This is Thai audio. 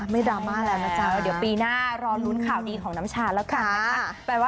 ไม่ดราม่าแล้วนะจ๊ะ